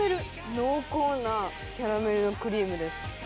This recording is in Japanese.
濃厚なキャラメルクリームです。